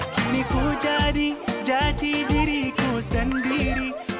kini ku jadi jadi diriku sendiri